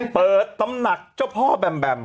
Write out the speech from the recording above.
ตำหนักเจ้าพ่อแบมแบม